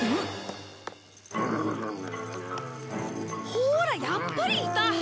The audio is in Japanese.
ほらやっぱりいた！